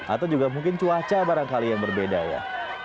atau juga mungkin cuaca barangkali yang berbeda ya